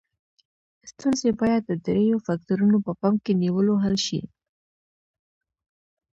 ستونزې باید د دریو فکتورونو په پام کې نیولو حل شي.